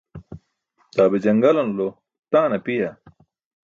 Daa be jaṅgalanulo taan apiya?